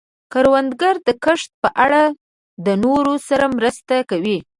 کروندګر د کښت په اړه د نورو سره مرسته کوي